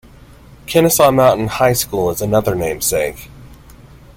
Kennesaw Mountain High School is another namesake.